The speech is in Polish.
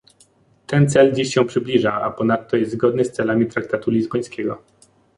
Ten cel dziś się przybliża, a ponadto jest zgodny z celami traktatu lizbońskiego